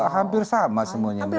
hampir sama semuanya